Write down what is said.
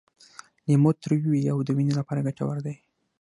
لیمو تریو وي او د وینې لپاره ګټور دی.